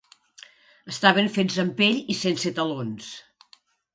Estaven fets amb pell i sense talons.